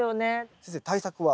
先生対策は？